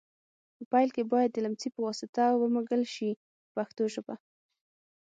په پیل کې باید د لمڅي په واسطه ومږل شي په پښتو ژبه.